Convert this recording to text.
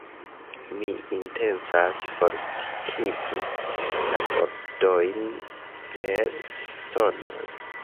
Mi intencas fortikigi la bordojn per ŝtonoj.